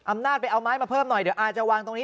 อำนาจไปเอาไม้มาเพิ่มหน่อยเดี๋ยวอาจะวางตรงนี้